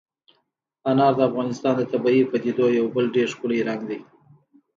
انار د افغانستان د طبیعي پدیدو یو بل ډېر ښکلی رنګ دی.